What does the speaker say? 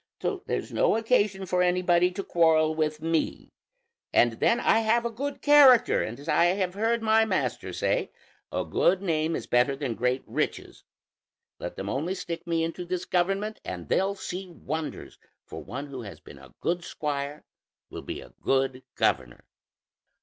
So there's no occasion for anybody to quarrel with me; and then I have a good character, and as I have heard my master say, 'A good name is better than great riches'; let them only stick me into this government and they'll see wonders, for one who has been a good squire will be a good governor."